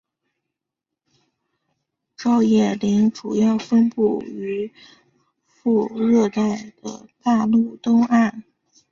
照叶林主要分布于副热带的大陆东岸。